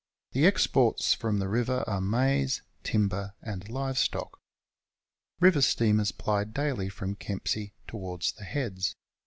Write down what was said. The exports from the river are maize, timber, and live stock. River steamers ply daily from Kempsey towards the heads.